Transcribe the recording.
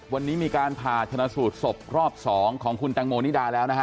วันนี้มีการผ่าชนะสูตรศพรอบ๒ของคุณตังโมนิดาแล้วนะฮะ